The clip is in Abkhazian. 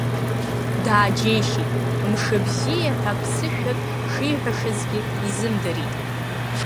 Дааџьеишьеит, мшыбзиаҳәа аԥсышәак шиҳәашазгьы изымдырит.